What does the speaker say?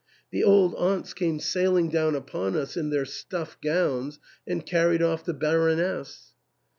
The old aunts came sailing down upon us in their stuff gowns and carried off the Baroness.